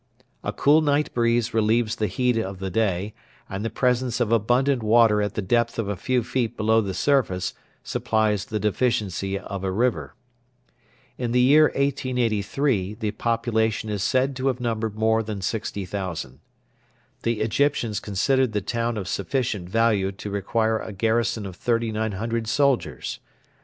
A cool night breeze relieves the heat of the day, and the presence of abundant water at the depth of a few feet below the surface supplies the deficiency of a river. In the year 1883 the population is said to have numbered more than 60,000. The Egyptians considered the town of sufficient value to require a garrison of 3,900 soldiers.